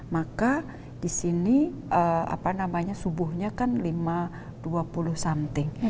maka di sini apa namanya subuhnya kan lima dua puluh something